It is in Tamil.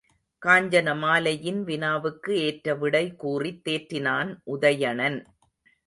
காஞ்சனமாலையின் வினாவுக்கு ஏற்ற விடை கூறித் தேற்றினான் உதயணன்.